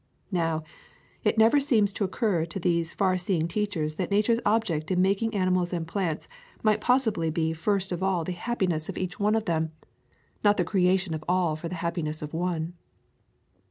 Now, it never seems to occur to these far seeing teachers that Nature's object in making animals and plants might possibly be first of [ 138 ] Cedar Keys all the happiness of each one of them, not the creation of all for the happiness of one.